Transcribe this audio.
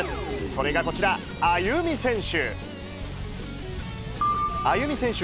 それがこちら、アユミ選手。